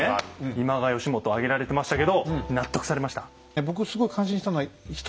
今川義元挙げられてましたけど納得されました？